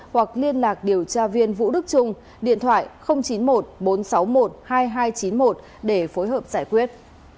hoặc liên lạc điều tra viên vũ đức trung điện thoại chín mươi một bốn trăm sáu mươi một hai nghìn hai trăm chín mươi một để phối hợp giải quyết